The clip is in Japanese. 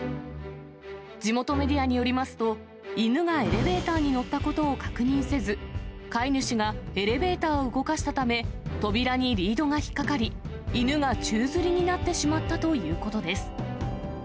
地元メディアによりますと、犬がエレベーターに乗ったことを確認せず、飼い主がエレベーターを動かしたため、扉にリードが引っ掛かり、犬が宙づりになってしまったということです。